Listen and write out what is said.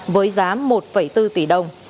với giá một bốn tỷ đồng